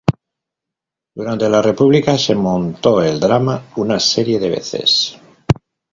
Durante la República, se montó el drama una serie de veces.